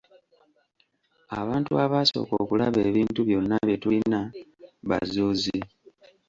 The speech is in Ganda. Abantu abaasooka okulaba ebintu byonna bye tulina, bazuuzi.